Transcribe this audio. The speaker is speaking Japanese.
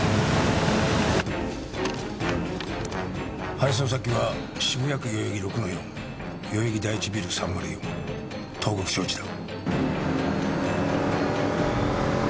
配送先は渋谷区代々木６‐４代々木第一ビル３０４東国商事だ。